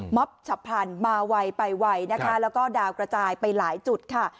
ฉับพลันมาไวไปไวนะคะแล้วก็ดาวกระจายไปหลายจุดค่ะ